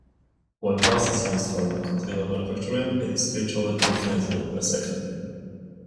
When glass is used for new container manufacturing, it is virtually infinitely recyclable.